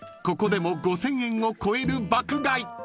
ここでも５，０００円を超える爆買い］